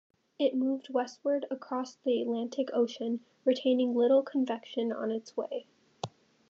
It moved westward across the Atlantic Ocean, retaining little convection on its way.